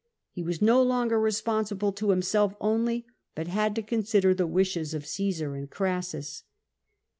He was no longer responsible to himself only, but had to consider the wishes of Caesar and Crassus.